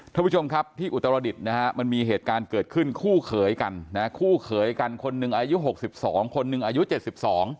ท่านผู้ชมครับที่อุตรดิษฐ์นะฮะมันมีเหตุการณ์เกิดขึ้นคู่เขยกันนะฮะคู่เขยกันคนหนึ่งอายุหกสิบสองคนหนึ่งอายุเจ็ดสิบสอง